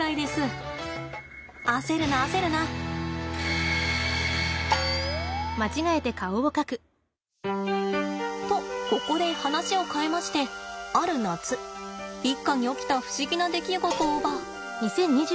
焦るな焦るな。とここで話を変えましてある夏一家に起きた不思議な出来事をば。